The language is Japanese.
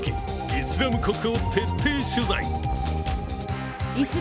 イスラム国を徹底取材。